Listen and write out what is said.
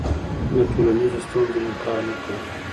د ټولنیزو ستونزو انکار مه کوه.